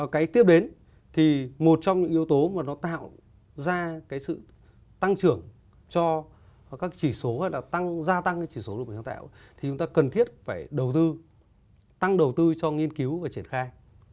cái tiếp đến thì một trong những yếu tố mà nó tạo ra cái sự tăng trưởng cho các chỉ số hay là tăng gia tăng cái chỉ số đổi sáng tạo thì chúng ta cần thiết phải đầu tư tăng đầu tư cho nghiên cứu và triển khai